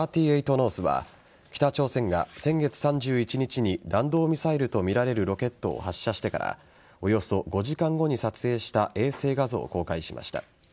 ノースは北朝鮮が先月３１日に弾道ミサイルとみられるロケットを発射してからおよそ５時間後に撮影した衛星画像を公開しました。